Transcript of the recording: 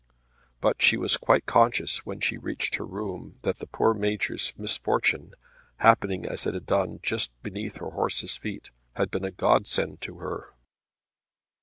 But she was quite conscious when she reached her room that the poor Major's misfortune, happening as it had done just beneath her horse's feet, had been a godsend to her.